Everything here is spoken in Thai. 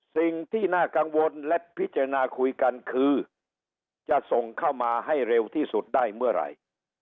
สิ่งที่น่ากังวลและพิจารณาคุยกันคือจะส่งเข้ามาให้เร็วที่สุดได้เมื่อไหร่